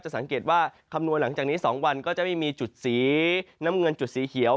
สังเกตว่าคำนวณหลังจากนี้๒วันก็จะไม่มีจุดสีน้ำเงินจุดสีเขียว